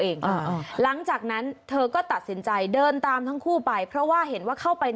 หลังจากนั้นเธอก็ตัดสินใจเดินตามทั้งคู่ไปเพราะว่าเห็นว่าเข้าไป